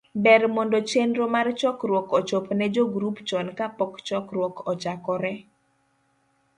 ber mondo chenro mar chokruok ochop ne jogrup chon kapok chokruok ochakore.